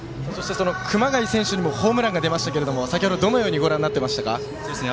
そして、熊谷選手にもホームランが出ましたが先ほど、どのようにご覧になっていましたか。